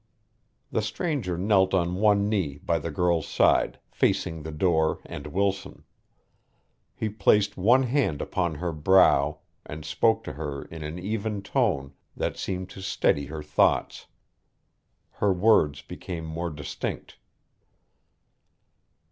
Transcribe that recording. The stranger knelt on one knee by the girl's side, facing the door and Wilson. He placed one hand upon her brow and spoke to her in an even tone that seemed to steady her thoughts. Her words became more distinct.